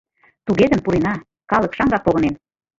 Туге гын пурена: калык шаҥгак погынен.